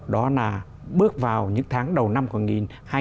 đó là bước vào những tháng đầu năm của nghị hai nghìn một mươi chín